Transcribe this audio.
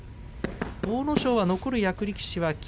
阿武咲は残る役力士は霧